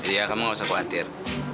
iya kamu nggak usah khawatir